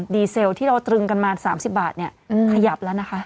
ดีเซลที่เราตรึงกันมา๓๐บาทขยับแล้วนะคะ